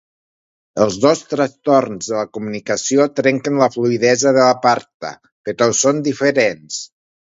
Els dos trastorns de la comunicació trenquen la fluïdesa de la parta, però són diferents.